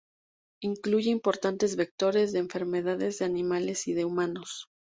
Incluye importantes vectores de enfermedades de animales y de humanos.